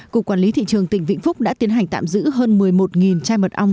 cục quản lý thị trường tỉnh vĩnh phúc đã tiến hành tạm giữ hơn một mươi một chai mật ong